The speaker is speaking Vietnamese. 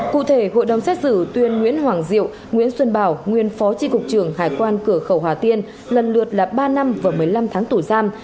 cụ thể hội đồng xét xử tuyên nguyễn hoàng diệu nguyễn xuân bảo nguyên phó tri cục trưởng hải quan cửa khẩu hà tiên lần lượt là ba năm và một mươi năm tháng tù giam